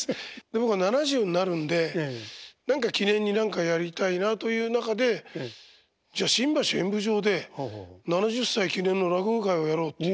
僕は７０になるんで何か記念に何かやりたいなという中でじゃ新橋演舞場で７０歳記念の落語会をやろうっていう。